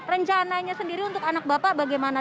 rencananya sendiri untuk anak bapak bagaimana